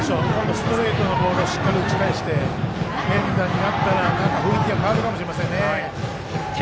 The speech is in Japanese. ストレートのボールをしっかり打ち返して連打になったら雰囲気が変わるかもしれませんね。